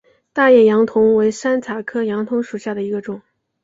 大叶杨桐为山茶科杨桐属下的一个种。